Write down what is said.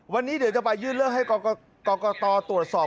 วันนี้เดี๋ยวจะไปยื่นเรื่องให้กรกตตรวจสอบ